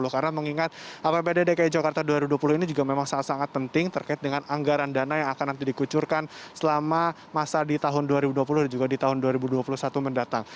karena mengingat apbd dki jakarta dua ribu dua puluh ini juga memang sangat sangat penting terkait dengan anggaran dana yang akan nanti dikucurkan selama masa di tahun dua ribu dua puluh dan juga di tahun dua ribu dua puluh satu mendatang